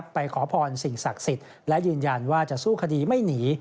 ขอพรสิ่งศักดิ์สิทธิ์และยืนยันว่าจะสู้คดีไม่หนี